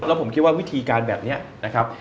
แล้วผมคิดว่าวิธีการแบบนี้นะครับ